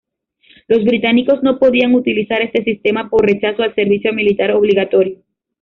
Los británicos no podían utilizar este sistema por rechazo al servicio militar obligatorio.